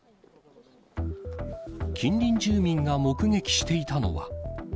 近隣住民が目撃していたのは。